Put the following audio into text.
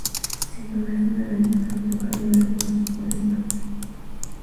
Sin duda es un evento de alto calibre que no se pueden perder.